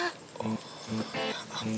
oh ampun ma